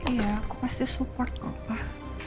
iya aku pasti support kok pak